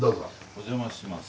お邪魔します。